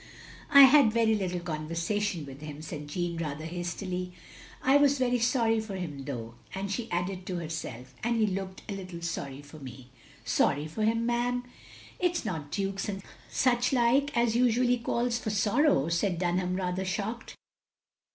"I had very little conversation with him,'* OF GROSVENOR SQUARE 109 said Jeanne, rather hastily, "I was very sorry for him though," and she added to herself, "and he looked a little sorry for me. " "Sorry for him, ma'am! It's not dukes and such like as usually calls for sorrow," said Dunham rather shocked.